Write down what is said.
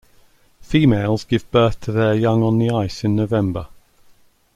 Females give birth to their young on the ice in November.